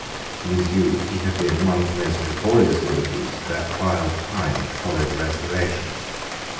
In his youth he had been one of the most notorious libertines of the wild time which followed the Restoration.